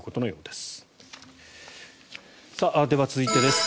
では、続いてです。